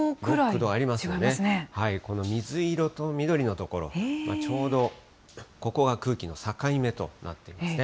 この水色と緑の所、ちょうどここが空気の境目となっていますね。